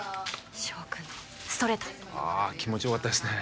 翔君のストレートああ気持ちよかったですね